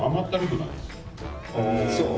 そう。